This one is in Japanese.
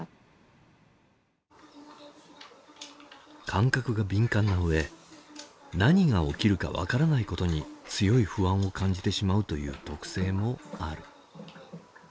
感覚が敏感な上何が起きるか分からないことに強い不安を感じてしまうという特性もある。